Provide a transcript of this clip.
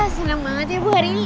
senang banget ya bu hari ini